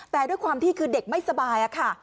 แต่ด้วยความที่คือเด็กไม่สบายค่ะ